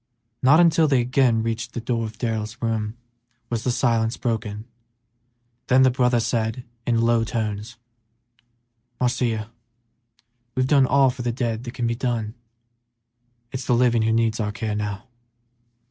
Not until they again reached the door of Darrell's room was the silence broken; then the brother said, in low tones, "Marcia, we've done all for the dead that can be done; it's the living who needs our care now."